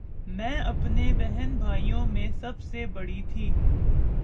میں اپنے بہن بھائیوں میں سب سے بڑی تھی